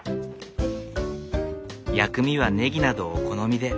薬味はネギなどお好みで。